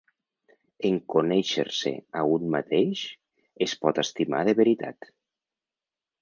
En conèixer-se a un mateix, es pot estimar de veritat.